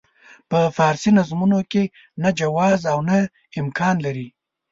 په فارسي نظمونو کې نه جواز او نه امکان لري.